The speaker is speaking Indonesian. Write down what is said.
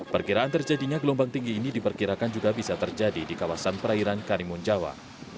perkiraan terjadinya gelombang tinggi ini diperkirakan juga bisa terjadi di kawasan perairan karimun jawa